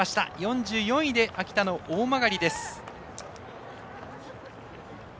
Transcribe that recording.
４４位で秋田の大曲です。